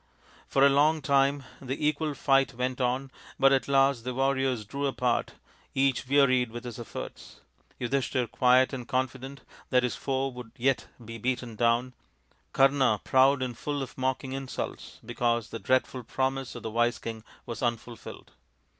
For a long time the equal fight went on, but at last the warriors drew apart, each wearied with his efforts, Yudhishthir quiet and confident that his foe would yet be beaten down, Kama proud and full of mocking insults because the dreadful promise of the wise king was unfulfilled.